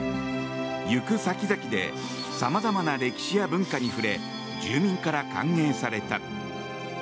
行く先々でさまざまな歴史や文化に触れ住民から歓迎された。